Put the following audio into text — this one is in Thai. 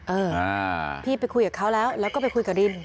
เออพี่ไปคุยกับเขาแล้วแล้วก็ไปคุยกับดิน